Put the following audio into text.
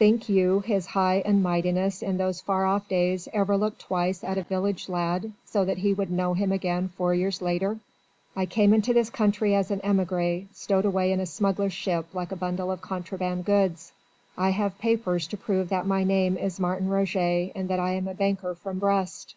Think you his High and Mightiness in those far off days ever looked twice at a village lad so that he would know him again four years later? I came into this country as an émigré stowed away in a smuggler's ship like a bundle of contraband goods. I have papers to prove that my name is Martin Roget and that I am a banker from Brest.